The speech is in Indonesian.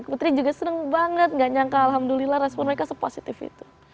putri juga senang banget gak nyangka alhamdulillah respon mereka sepositif itu